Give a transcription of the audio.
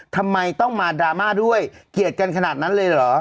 ทำไมต้องมาดราม่าด้วยเกลียดกันขนาดนั้นเลยเหรอ